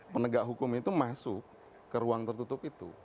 penegak hukum itu masuk ke ruang tertutup itu